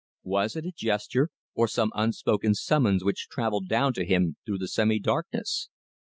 Was it a gesture or some unspoken summons which travelled down to him through the semi darkness?